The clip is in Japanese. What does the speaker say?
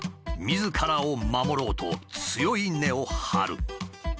みずからを守ろうと強い根を張る。